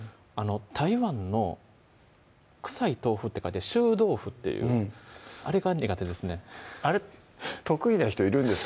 台湾の「臭い豆腐」って書いて臭豆腐っていうあれが苦手ですねあれ得意な人いるんですか？